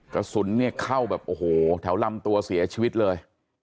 กระสุนเนี่ยเข้าแบบโอ้โหแถวลำตัวเสียชีวิตเลย